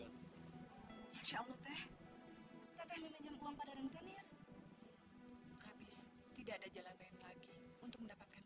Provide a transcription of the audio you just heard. masya allah teh tetep menjam uang pada rentenir habis tidak ada jalan lain lagi untuk mendapatkan